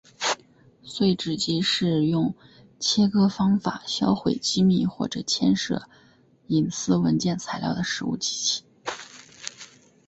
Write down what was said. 碎纸机是用切割方法销毁机密或者牵涉隐私文件材料的事务机器。